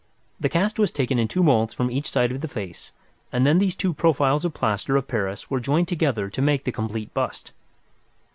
The cast was taken in two moulds from each side of the face, and then these two profiles of plaster of Paris were joined together to make the complete bust.